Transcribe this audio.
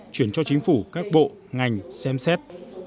chuyển cho chính phủ các bộ ngành xem xét